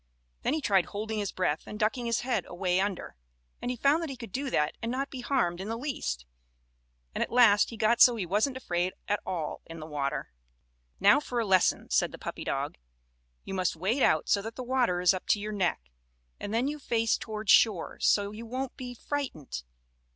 Then he tried holding his breath and ducking his head away under, and he found that he could do that and not be harmed in the least, and at last he got so he wasn't afraid at all in the water. "Now for a lesson," said the puppy dog. "You must wade out so that the water is up to your neck, and then you face toward shore, so you won't be frightened.